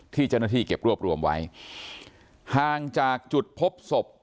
ที่เจ้าหน้าที่เก็บรวบรวมไว้ห่างจากจุดพบศพ